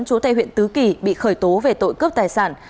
chú tây huyện tứ kỳ bị khởi tố về tội cướp tài sản